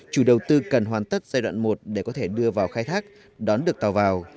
chủ đầu tư cần hoàn tất giai đoạn một để có thể đưa vào khai thác đón được tàu vào